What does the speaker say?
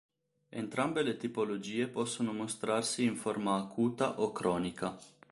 Entrambe le tipologie possono mostrarsi in forma acuta o cronica.